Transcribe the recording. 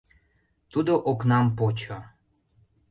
Тудо окнам почо.